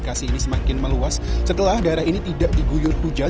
lokasi ini semakin meluas setelah daerah ini tidak diguyur hujan